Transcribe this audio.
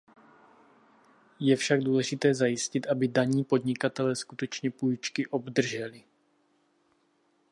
Je však důležité zajistit, aby daní podnikatelé skutečně půjčky obdrželi.